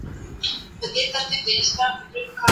ولي کورني شرکتونه کیمیاوي سره له پاکستان څخه واردوي؟